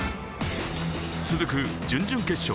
続く準々決勝。